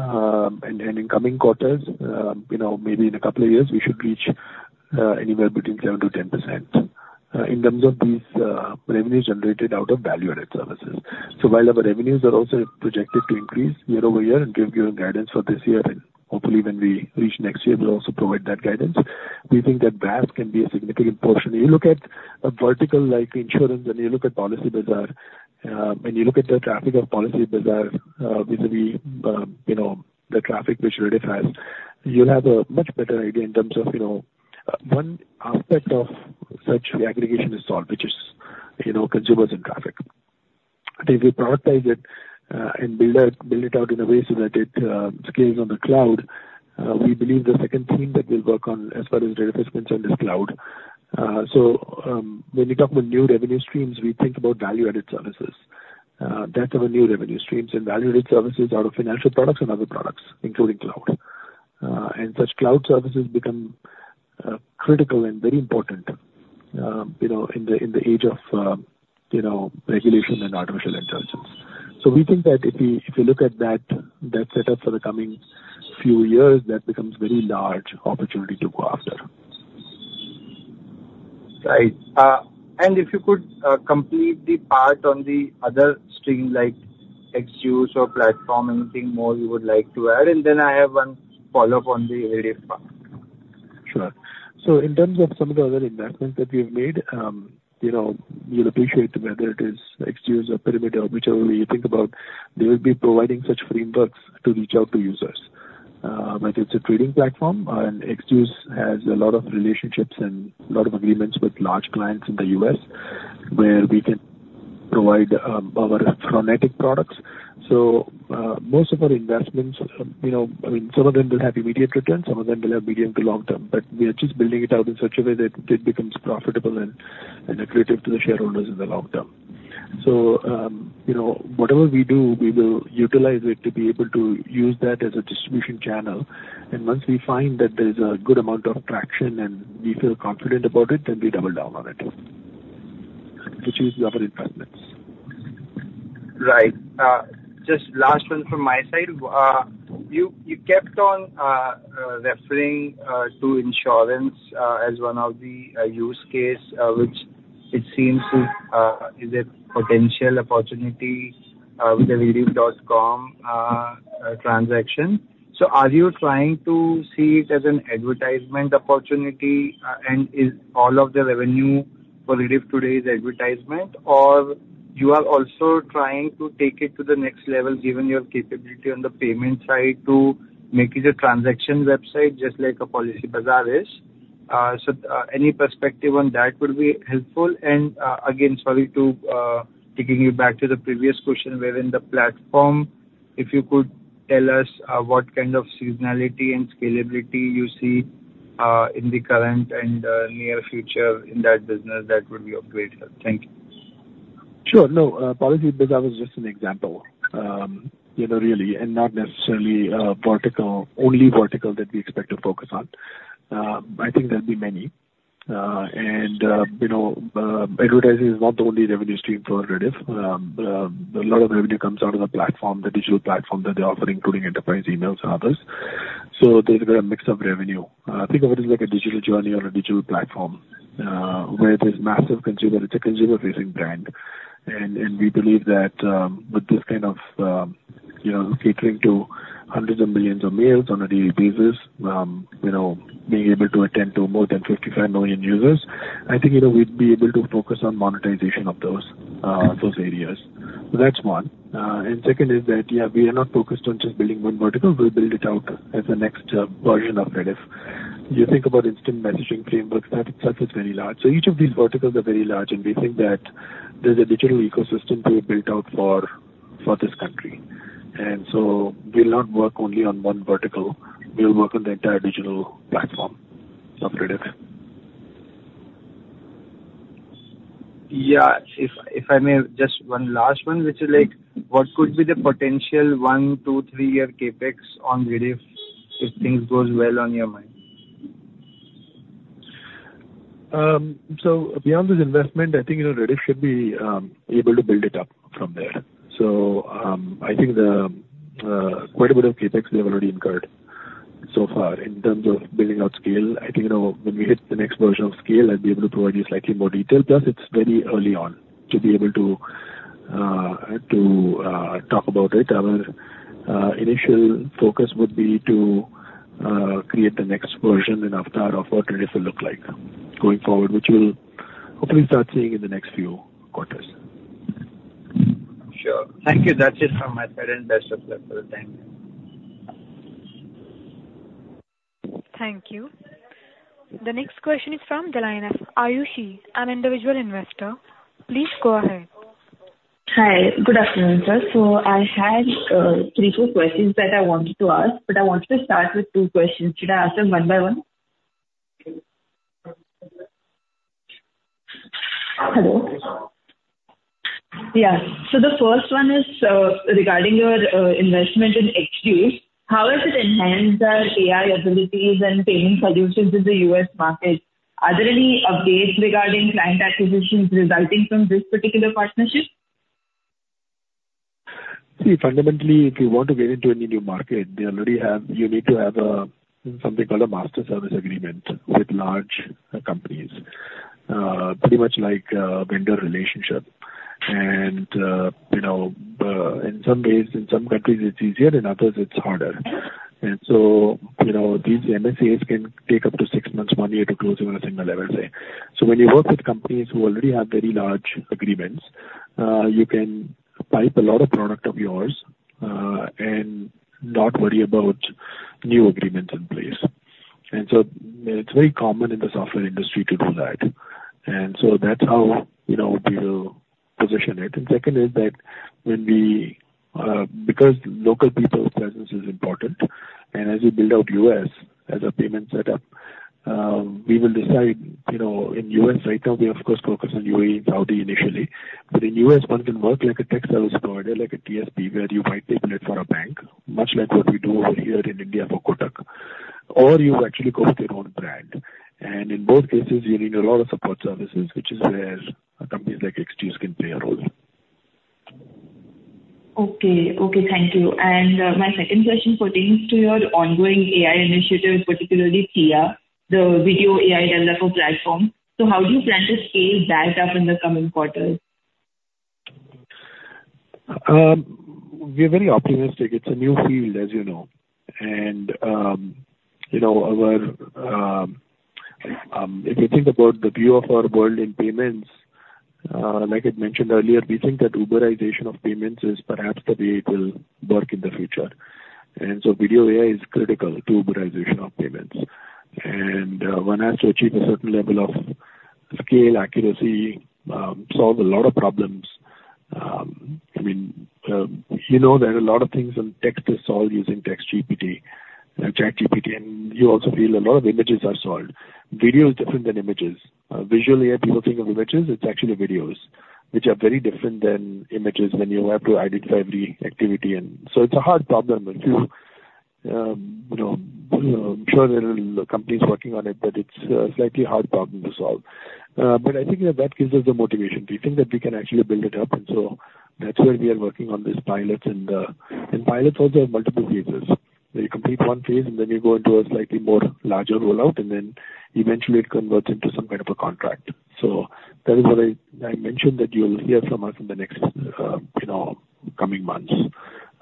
And in coming quarters, you know, maybe in a couple of years, we should reach anywhere between 7%-10% in terms of these revenues generated out of value-added services. So while our revenues are also projected to increase year-over-year and give you a guidance for this year, and hopefully when we reach next year, we'll also provide that guidance. We think that VAS can be a significant portion. You look at a vertical like insurance, and you look at Policybazaar, when you look at the traffic of Policybazaar, vis-a-vis, you know, the traffic which Rediff has, you'll have a much better idea in terms of, you know, one aspect of such the aggregation is solved, which is, you know, consumers and traffic. I think we prioritize it, and build out, build it out in a way so that it scales on the cloud. We believe the second theme that we'll work on as far as Rediff is concerned, is cloud. So, when we talk about new revenue streams, we think about value-added services. That's our new revenue streams, and value-added services are of financial products and other products, including cloud. And such cloud services become critical and very important, you know, in the age of regulation and artificial intelligence. So we think that if we, if you look at that, that set up for the coming few years, that becomes very large opportunity to go after. Right. And if you could, complete the part on the other stream, like XDuce or platform, anything more you would like to add? And then I have one follow-up on the Rediff part. Sure. So in terms of some of the other investments that we've made, you know, you'll appreciate whether it is XDuce or Perimeter, whichever way you think about, they will be providing such frameworks to reach out to users. But it's a trading platform, and XDuce has a lot of relationships and a lot of agreements with large clients in the U.S., where we can provide, our Phronetic products. So, most of our investments, you know, I mean, some of them will have immediate returns, some of them will have medium to long term, but we are just building it out in such a way that it becomes profitable and, and accretive to the shareholders in the long term. So, you know, whatever we do, we will utilize it to be able to use that as a distribution channel, and once we find that there's a good amount of traction and we feel confident about it, then we double down on it, which is the other investments. Right. Just last one from my side. You kept on referring to insurance as one of the use case which it seems to is a potential opportunity with the Rediff.com transaction. So are you trying to see it as an advertisement opportunity and is all of the revenue for Rediff today is advertisement? Or you are also trying to take it to the next level, given your capability on the payment side, to make it a transaction website, just like a Policybazaar is? So any perspective on that would be helpful. Again, sorry to taking you back to the previous question wherein the platform, if you could tell us what kind of seasonality and scalability you see in the current and near future in that business, that would be of great help. Thank you. Sure. No, Policybazaar was just an example, you know, really, and not necessarily a vertical, only vertical that we expect to focus on. I think there'll be many. And you know, advertising is not the only revenue stream for Rediff. A lot of revenue comes out of the platform, the digital platform that they offer, including enterprise, emails and others... So there's been a mix of revenue. Think of it as like a digital journey or a digital platform, where there's massive consumer, it's a consumer-facing brand. And, and we believe that, with this kind of, you know, catering to hundreds of millions of mails on a daily basis, you know, being able to attend to more than 55 million users, I think, you know, we'd be able to focus on monetization of those, those areas. So that's one. And second is that, yeah, we are not focused on just building one vertical. We'll build it out as the next version of Rediff. You think about instant messaging frameworks, that itself is very large. So each of these verticals are very large, and we think that there's a digital ecosystem to be built out for, for this country. And so we'll not work only on one vertical, we'll work on the entire digital platform of Rediff. Yeah. If, if I may, just one last one, which is like, what could be the potential 1-, 2-, 3-year CapEx on Rediff, if things goes well on your mind? So, beyond this investment, I think, you know, Rediff should be able to build it up from there. So, I think the quite a bit of CapEx we have already incurred so far in terms of building out scale. I think, you know, when we hit the next version of scale, I'd be able to provide you slightly more detail, plus it's very early on to be able to, to talk about it. Our initial focus would be to create the next version and avatar of what Rediff will look like going forward, which you'll hopefully start seeing in the next few quarters. Sure. Thank you. That's it from my side. And best of luck for the time. Thank you. The next question is from Delaina Ayushi, an individual investor. Please go ahead. Hi. Good afternoon, sir. So I had, three, four questions that I wanted to ask, but I want to start with two questions. Should I ask them one by one? Hello? Yeah. So the first one is, regarding your, investment in XD, how has it enhanced the AI abilities and payment solutions in the U.S. market? Are there any updates regarding client acquisitions resulting from this particular partnership? See, fundamentally, if you want to get into any new market, they already have... You need to have, something called a Master Service Agreement with large companies, pretty much like a vendor relationship. And, you know, in some ways, in some countries it's easier, in others it's harder. And so, you know, these MSAs can take up to six months, one year, to close them on a single level, say. So when you work with companies who already have very large agreements, you can pipe a lot of product of yours, and not worry about new agreements in place. And so it's very common in the software industry to do that. And so that's how, you know, we will position it. Second is that when we, because local people's presence is important, and as we build out U.S. as a payment setup, we will decide, you know, in U.S. right now, we of course focus on UAE and Saudi initially. But in U.S., one can work like a tech service provider, like a TSP, where you might tech stack for a bank, much like what we do over here in India for Kotak. Or you actually go with your own brand, and in both cases, you need a lot of support services, which is where companies like XQ can play a role. Okay. Okay, thank you. And, my second question pertains to your ongoing AI initiatives, particularly Theia, the video AI developer platform. So how do you plan to scale that up in the coming quarters? We are very optimistic. It's a new field, as you know, and, you know, our, if you think about the view of our world in payments, like I mentioned earlier, we think that Uberization of payments is perhaps the way it will work in the future. And so video AI is critical to Uberization of payments. And, one has to achieve a certain level of scale, accuracy, solve a lot of problems. I mean, you know, there are a lot of things in text is solved using Text-GPT and ChatGPT, and you also feel a lot of images are solved. Video is different than images. Visually, people think of images, it's actually videos, which are very different than images, when you have to identify every activity. And so it's a hard problem. You know, I'm sure there are companies working on it, but it's a slightly hard problem to solve. But I think that that gives us the motivation. We think that we can actually build it up, and so that's why we are working on these pilots. And pilots also have multiple phases. You complete one phase, and then you go into a slightly more larger roll-out, and then eventually it converts into some kind of a contract. So that is what I mentioned that you'll hear from us in the next, you know, coming months,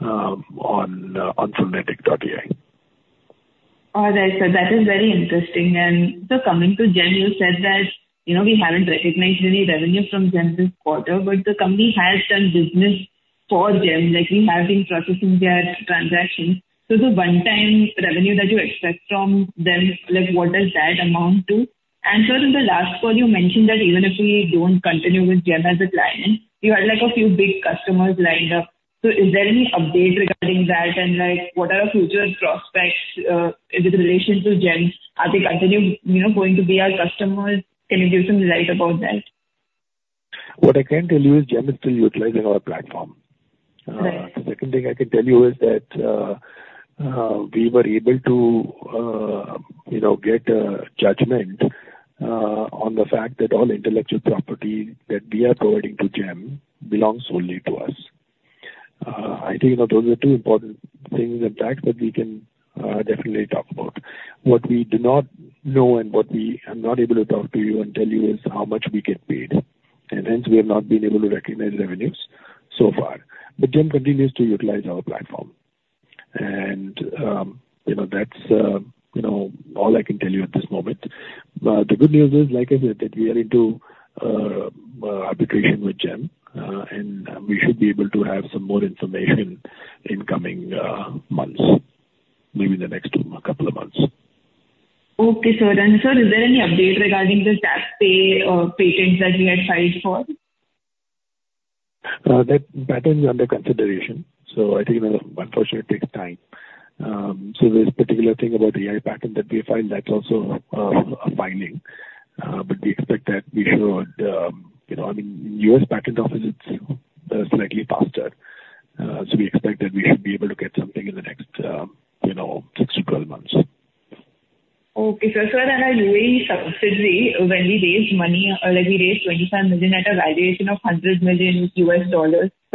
on Phronetic.AI. All right, sir, that is very interesting. And so coming to GeM, you said that, you know, we haven't recognized any revenue from GeM this quarter, but the company has done business for GeM, like we have been processing their transactions. So the one-time revenue that you expect from them, like, what does that amount to? And sir, in the last call, you mentioned that even if we don't continue with GeM as a client, you had, like, a few big customers lined up. So is there any update regarding that? And like, what are our future prospects with relation to GeM? Are they continuing, you know, going to be our customer? Can you give some light about that? What I can tell you is GeM is still utilizing our platform. Right. The second thing I can tell you is that, we were able to, you know, get a judgment, on the fact that all intellectual property that we are providing to GeM belongs solely to us. I think, you know, those are two important things at that, that we can, definitely talk about. What we do not know and what we are not able to talk to you and tell you is how much we get paid, and hence we have not been able to recognize revenues so far. But GeM continues to utilize our platform. And, you know, that's, you know, all I can tell you at this moment. But the good news is, like I said, that we are into arbitration with GeM, and we should be able to have some more information in coming months, maybe in the next couple of months. Okay, sir. And sir, is there any update regarding the Tap to Pay patents that you had filed for? That is under consideration, so I think, you know, unfortunately, it takes time. So this particular thing about AI patent that we filed, that's also a filing, but we expect that we should, you know... I mean, U.S. Patent Office, it's slightly faster, so we expect that we should be able to get something in the next, you know, six-12 months. Okay, sir. Sir, and our UAE subsidiary, when we raised money, like we raised $25 million at a valuation of $100 million.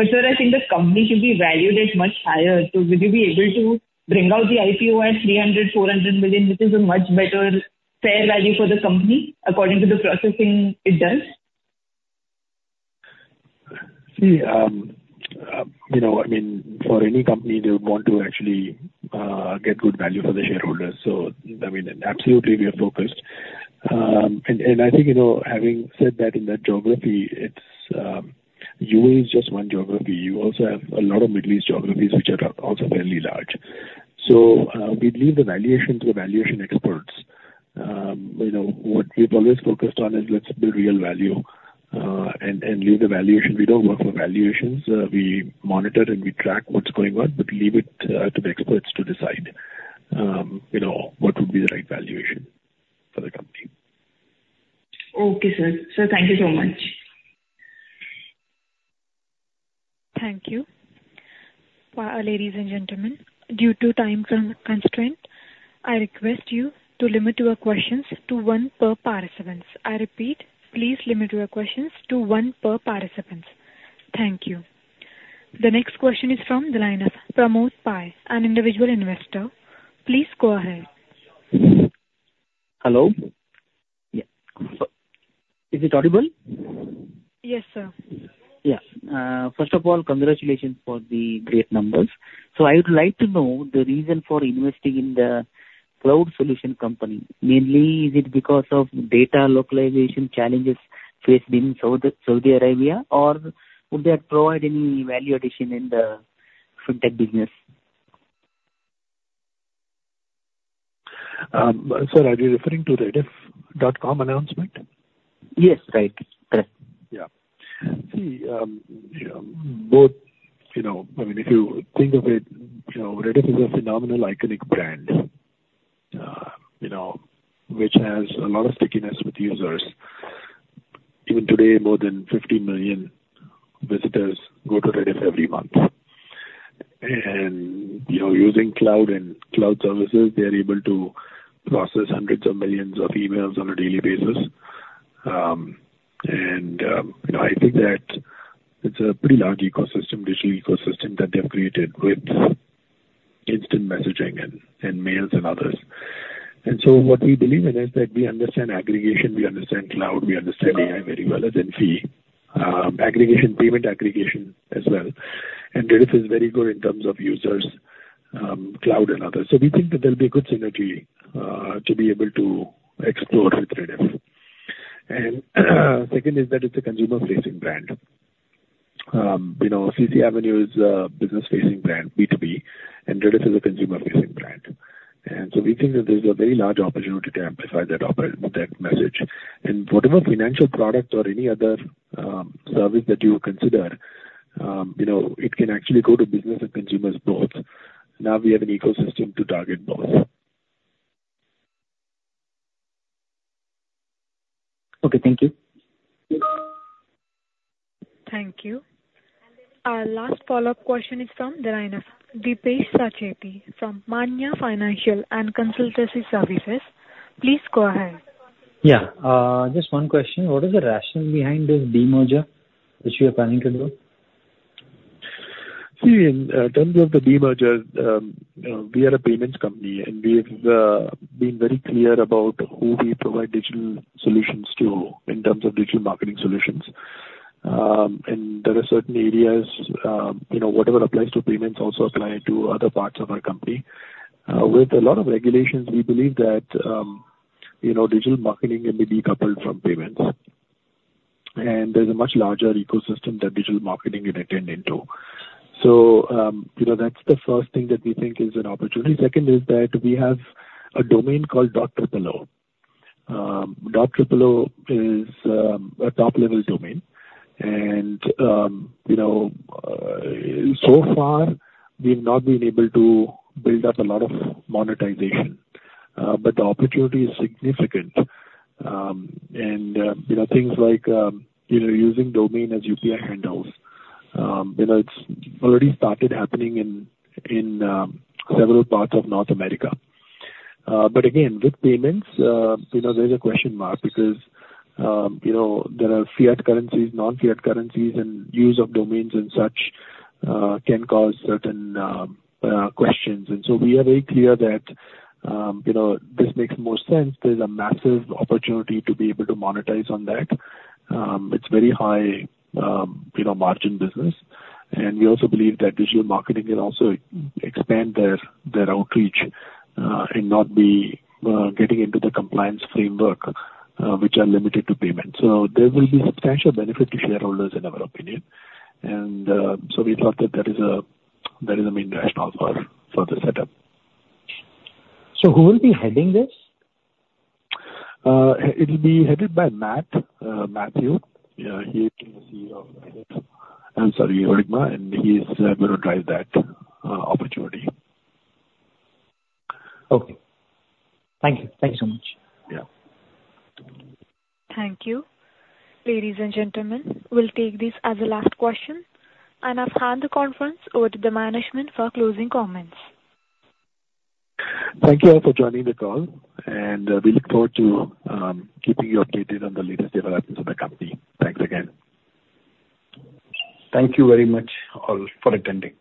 But sir, I think the company should be valued at much higher, so will you be able to bring out the IPO at $300-$400 million, which is a much better fair value for the company according to the processing it does? See, you know, I mean, for any company, they would want to actually get good value for the shareholders. So, I mean, absolutely, we are focused. And I think, you know, having said that, in that geography, it's UAE is just one geography. You also have a lot of Middle East geographies, which are also fairly large. So, we leave the valuations to the valuation experts. You know, what we've always focused on is let's build real value, and leave the valuation. We don't work with valuations. We monitor and we track what's going on, but leave it to the experts to decide, you know, what would be the right valuation for the company. Okay, sir. Sir, thank you so much. Thank you. Ladies and gentlemen, due to time constraint, I request you to limit your questions to one per participants. I repeat, please limit your questions to one per participants. Thank you. The next question is from the line of Pramod Pai, an individual investor. Please go ahead. Hello? Yeah. Is it audible? Yes, sir. Yeah. First of all, congratulations for the great numbers. So I would like to know the reason for investing in the cloud solution company. Mainly, is it because of data localization challenges faced in Saudi, Saudi Arabia, or would that provide any value addition in the FinTech business? Sir, are you referring to the Rediff.com announcement? Yes, right. Yeah. See, yeah, both, you know... I mean, if you think of it, you know, Rediff is a phenomenal, iconic brand, you know, which has a lot of stickiness with users. Even today, more than 50 million visitors go to Rediff every month. And, you know, using cloud and cloud services, they're able to process hundreds of millions of emails on a daily basis. And, you know, I think that it's a pretty large ecosystem, digital ecosystem, that they've created with instant messaging and, and mails and others. And so what we believe in is that we understand aggregation, we understand cloud, we understand AI very well, and then fee, aggregation, payment aggregation as well. And Rediff is very good in terms of users, cloud and others. So we think that there'll be a good synergy, to be able to explore with Rediff. Second is that it's a consumer-facing brand. You know, CCAvenue is a business-facing brand, B2B, and Rediff is a consumer-facing brand. And so we think that there's a very large opportunity to amplify that message. And whatever financial product or any other service that you consider, you know, it can actually go to business and consumers both. Now we have an ecosystem to target both. Okay. Thank you. Thank you. Our last follow-up question is from the line of Deepesh Sancheti from Maanya Financial & Consultancy Services. Please go ahead. Yeah. Just one question. What is the rationale behind this demerger which you are planning to do? See, in terms of the demerger, we are a payments company, and we've been very clear about who we provide digital solutions to in terms of digital marketing solutions. There are certain areas, you know, whatever applies to payments also apply to other parts of our company. With a lot of regulations, we believe that, you know, digital marketing can be decoupled from payments, and there's a much larger ecosystem that digital marketing can attend into. So, you know, that's the first thing that we think is an opportunity. Second is that we have a domain called .ooo. .ooo is a top-level domain, and, you know, so far we've not been able to build up a lot of monetization, but the opportunity is significant. And, you know, things like, you know, using domain as UPI handles, you know, it's already started happening in several parts of North America. But again, with payments, you know, there's a question mark because, you know, there are fiat currencies, non-fiat currencies, and use of domains and such can cause certain questions. And so we are very clear that, you know, this makes more sense. There's a massive opportunity to be able to monetize on that. It's very high, you know, margin business. And we also believe that digital marketing can also expand their outreach, and not be getting into the compliance framework, which are limited to payments. So there will be substantial benefit to shareholders, in our opinion. And so we thought that that is a, that is the main rationale for, for the setup. Who will be heading this? It'll be headed by Matt, Matthew. He is the... I'm sorry, ODigMa, and he's going to drive that opportunity. Okay. Thank you. Thank you so much. Yeah. Thank you. Ladies and gentlemen, we'll take this as the last question, and I'll hand the conference over to the management for closing comments. Thank you all for joining the call, and we look forward to keeping you updated on the latest developments of the company. Thanks again. Thank you very much, all, for attending.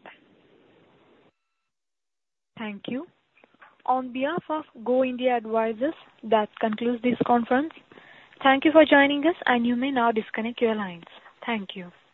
Thank you. On behalf of Go India Advisors, that concludes this conference. Thank you for joining us, and you may now disconnect your lines. Thank you.